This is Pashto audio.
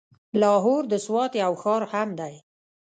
لاهور د سوات يو ښار هم دی.